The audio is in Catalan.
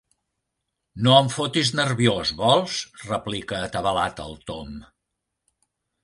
No em fotis nerviós, vols? –replica atabalat el Tom–.